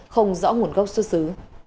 không rõ nguồn gốc xuất xứ